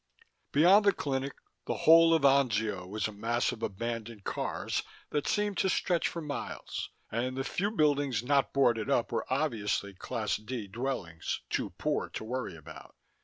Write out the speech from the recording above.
Beyond the clinic, the whole of Anzio was a mass of abandoned cars that seemed to stretch for miles, and the few buildings not boarded up were obviously class D dwellings, too poor to worry about.